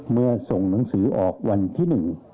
เมื่อส่งหนังสือออกวันที่หนึ่ง